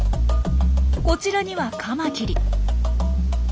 こちらにはカマキリ。